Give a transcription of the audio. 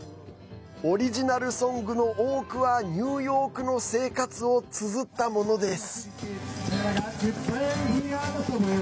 オリジナルソングの多くはニューヨークの生活をつづったものです。